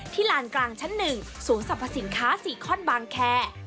ลานกลางชั้น๑ศูนย์สรรพสินค้าซีคอนบางแคร์